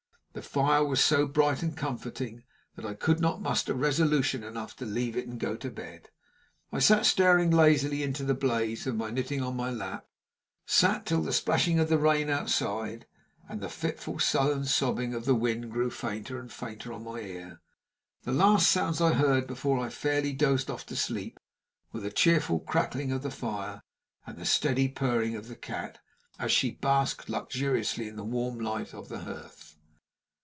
The fire was so bright and comforting that I could not muster resolution enough to leave it and go to bed. I sat staring lazily into the blaze, with my knitting on my lap sat till the splashing of the rain outside and the fitful, sullen sobbing of the wind grew fainter and fainter on my ear. The last sounds I heard before I fairly dozed off to sleep were the cheerful crackling of the fire and the steady purring of the cat, as she basked luxuriously in the warm light on the hearth.